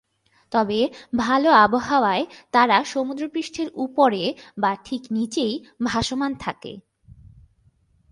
তবে ভালো আবহাওয়ায় তারা সমুদ্রপৃষ্ঠের উপরে বা ঠিক নিচেই ভাসমান থাকে।